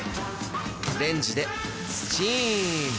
レンジでスチム